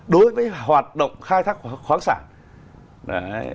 đối với hoạt động khai thác khoáng sản